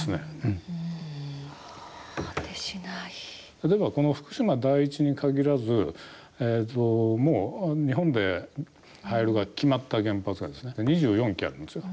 例えばこの福島第一に限らずもう日本で廃炉が決まった原発が２４基あるんですよ。